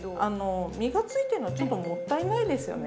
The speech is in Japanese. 身がついてるのちょっともったいないですよね。